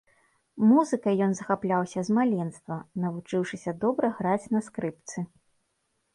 Музыкай ён захапляўся з маленства, навучыўшыся добра граць на скрыпцы.